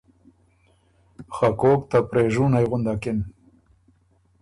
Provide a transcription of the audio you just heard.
خه کوک ته پرېژُوتئ غُندکِن۔